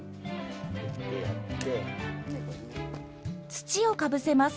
土をかぶせます。